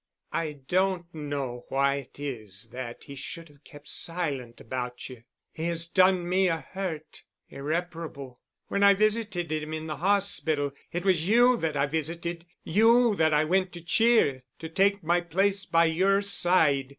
"I don't know why it is that he should have kept silent about you. He has done me a hurt—irreparable. When I visited him in the hospital, it was you that I visited, you that I went to cheer, to take my place by your side.